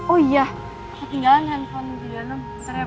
oh iya ketinggalan handphone di dalam